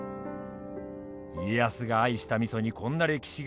家康が愛した味にこんな歴史があるとは。